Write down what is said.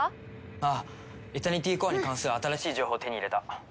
ああエタニティコアに関する新しい情報を手に入れた。